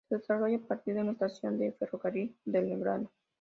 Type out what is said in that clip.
Se desarrolló a partir de una estación del ferrocarril Belgrano.